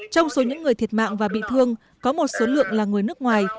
trong số những người thiệt mạng và bị thương có một số lượng là người nước ngoài